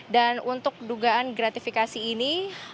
dan untuk dugaan gratifikasi ini